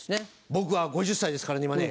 僕は５０歳ですからね今ね。